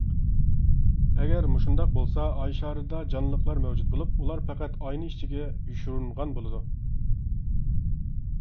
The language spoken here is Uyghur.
ئەگەر مۇشۇنداق بولسا، ئاي شارىدا جانلىقلار مەۋجۇت بولۇپ، ئۇلار پەقەت ئاينى ئىچىگە يوشۇرۇنغان بولىدۇ.